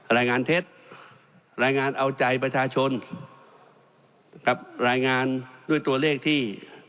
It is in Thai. รายงานเท็จรายงานเอาใจประชาชนกับรายงานด้วยตัวเลขที่